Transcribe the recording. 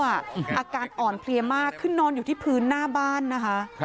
อาการอ่อนเพลียมากขึ้นนอนอยู่ที่พื้นหน้าบ้านนะคะ